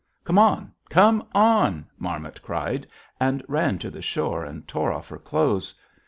"'Come on! Come on!' Marmot cried, and ran to the shore and tore off her clothes.